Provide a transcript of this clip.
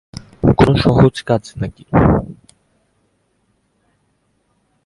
কোনো সহজ কাজ নাকি?